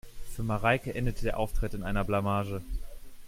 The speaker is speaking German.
Für Mareike endete der Auftritt in einer Blamage.